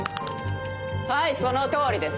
はいそのとおりです。